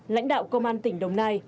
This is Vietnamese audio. lãnh đạo công an tỉnh đồng nai